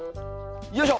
よいしょ！